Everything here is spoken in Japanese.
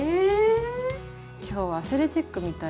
今日はアスレチックみたいだよ。